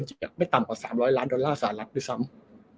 จะแบบไม่ต่ำกว่า๓๐๐ล้านดอลลาร์สหรัฐด้วยซ้ำ